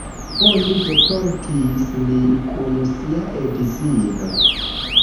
Oni deportis lin kun sia edzino.